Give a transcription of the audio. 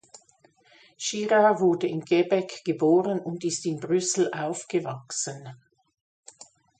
Girard wurde in Quebec geboren und ist in Brüssel aufgewachsen.